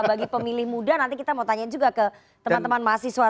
bagi pemilih muda nanti kita mau tanya juga ke teman teman mahasiswa